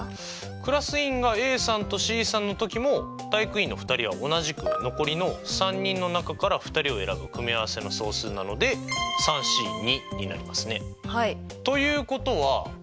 クラス委員がＡさんとＣさんの時も体育委員の２人は同じく残りの３人の中から２人を選ぶ組合せの総数なのでＣになりますね。ということはそうか。